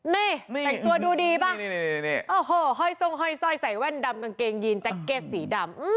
นี่แต่งตัวดูดีป่ะโอ้โหห้อยทรงห้อยสร้อยใส่แว่นดำกางเกงยีนแจ็คเก็ตสีดำ